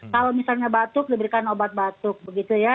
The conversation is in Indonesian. kalau misalnya batuk diberikan obat batuk begitu ya